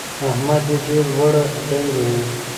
احمد يې ډېره لوړه ډنګوي.